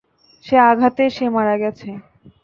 সে আঘাতে সে মারা গেছে।